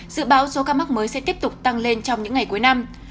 dự báo số ca mắc mới sẽ tiếp tục tăng lên trong những ngày cuối năm